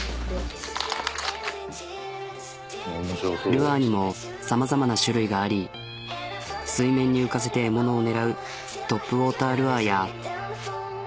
ルアーにもさまざまな種類があり水面に浮かせて獲物を狙うトップウォータールアーや。